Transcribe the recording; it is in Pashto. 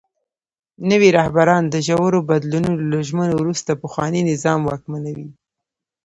نوي رهبران د ژورو بدلونونو له ژمنو وروسته پخواني نظام واکمنوي.